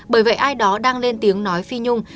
bởi vậy ai đó đang lên tiếng nói phi nhung